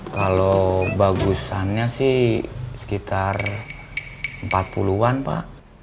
kalau bagusannya sih sekitar empat puluh an pak